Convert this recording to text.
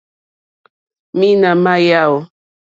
Mǐnà má yáò.